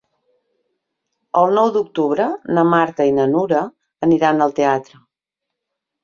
El nou d'octubre na Marta i na Nura aniran al teatre.